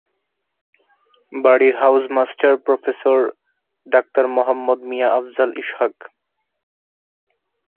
বাড়ির house master professor doctor Muhammad Mia Afzal Ishaq.